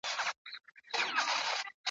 د ریا منبر ته خیژي ګناهکاره ثوابونه ..